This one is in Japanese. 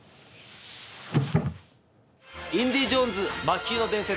『インディ・ジョーンズ魔宮の伝説』